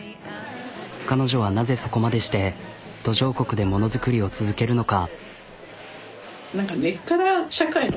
彼女はなぜそこまでして途上国でもの作りを続けるのか。